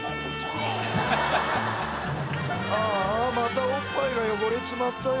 ああまたおっぱいが汚れちまったよ。